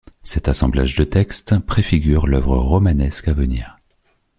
Cet assemblage de textes préfigure l’œuvre romanesque à venir.